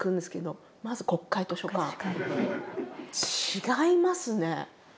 違いますね。